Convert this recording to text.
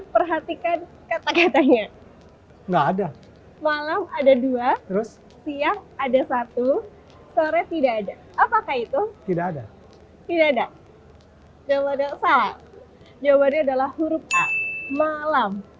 sore tidak ada apakah itu tidak ada tidak ada jelada pak jawabannya adalah huruf a malam